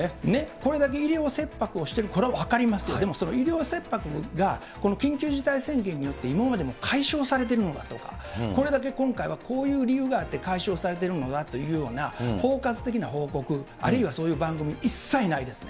これだけ医療切迫してるの、これは分かりますよ、でもその医療切迫がこの緊急事態宣言によって、今までも解消されてるのだと、これだけ今回は、こういう理由があって解消されているのかというような、包括的な報告、あるいはそういう番組、一切ないですね。